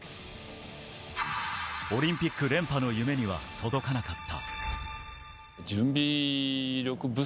オリンピック連覇の夢には届かなかった。